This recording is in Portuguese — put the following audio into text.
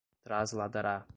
trasladará